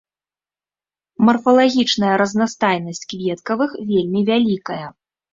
Марфалагічная разнастайнасць кветкавых вельмі вялікая.